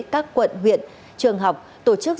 các quận huyện trường học tổ chức